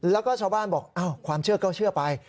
แล้วก็ชาวบ้านบอกความเชื่อก็เชื่อไป